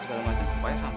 nah gue sapa sih